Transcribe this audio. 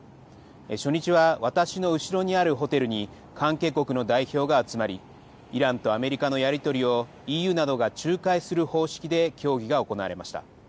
初日は私の後ろにあるホテルに関係国の代表が集まり、イランとアメリカのやり取りをＥＵなどが仲介する方式で協議が行われました。